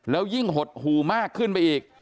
แล้วยิ่งหดหู่มากขึ้นไปอีก